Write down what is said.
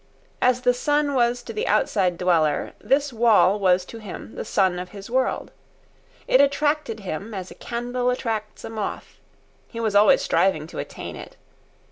As the sun was to the outside dweller, this wall was to him the sun of his world. It attracted him as a candle attracts a moth. He was always striving to attain it.